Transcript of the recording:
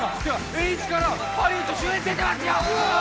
エーイチからハリウッド主演出てますよ！